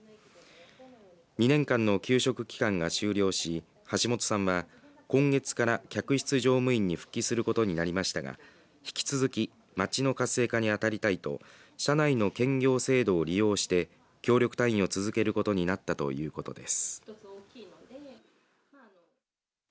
２年間の休職期間が終了し橋本さんは今月から客室乗務員に復帰することになりましたが引き続き町の活性化に当たりたいと社内の兼業制度を利用して協力隊員を続けることになったということです。